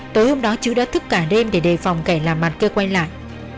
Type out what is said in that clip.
tối hôm đó trứ đã thức cả đêm để đề phòng kẻ làm mặt kia quay lại